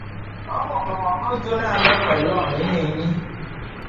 Môt w'ake jô na me ke loene nye nyi.